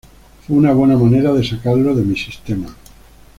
Fue una buena manera de sacarlo de mi sistema.